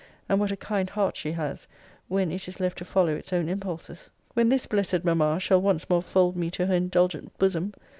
and what a kind heart she has, when it is left to follow its own impulses When this blessed mamma shall once more fold me to her indulgent bosom!